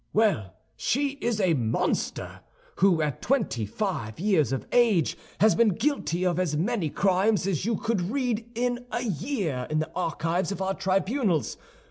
Well, she is a monster, who, at twenty five years of age, has been guilty of as many crimes as you could read of in a year in the archives of our tribunals.